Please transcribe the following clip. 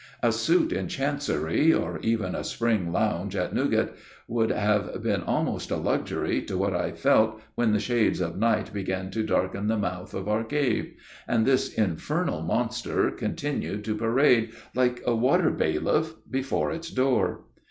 A suit in chancery, or even a spring lounge at Newgate, would have been almost a luxury to what I felt when the shades of night began to darken the mouth of our cave, and this infernal monster continued to parade, like a water bailiff, before its door.